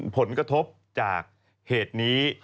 ผลกระทบจากเหตุนี้